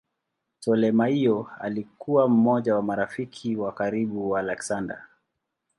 Ptolemaio alikuwa mmoja wa marafiki wa karibu wa Aleksander.